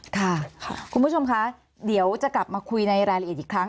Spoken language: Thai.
ค่ะคุณผู้ชมคะเดี๋ยวจะกลับมาคุยในรายละเอียดอีกครั้ง